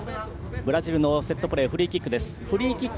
ブラジルのセットプレーフリーキック。